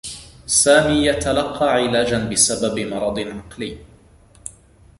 سامي يتلقّى علاجا بسبب مرض عقلي.